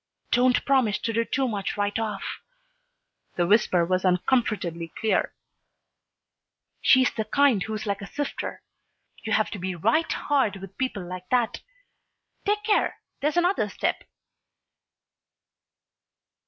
"Don't promise to do too much right off." The whisper was uncomfortably clear. "She's the kind who's like a sifter. You have to be right hard with people like that Take care! There's another step!"